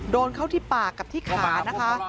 โดนเข้าที่ปากกับที่ขานะคะ